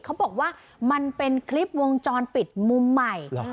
เขาบอกว่ามันเป็นคลิปวงจรปิดมุมใหม่